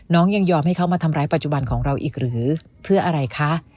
ยังยอมให้เขามาทำร้ายปัจจุบันของเราอีกหรือเพื่ออะไรคะ